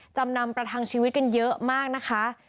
จำนำประทังชีวิตกันเยอะมากนะคะ